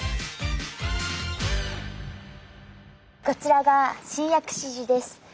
こちらが新薬師寺です。